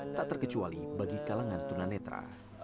tak terkecuali bagi kalangan tunanetra